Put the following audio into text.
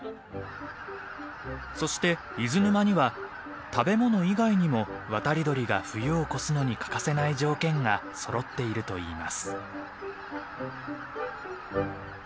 そして伊豆沼には食べ物以外にも渡り鳥が冬を越すのに欠かせない条件がそろっているといいます。